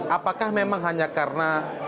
apakah memang hanya karena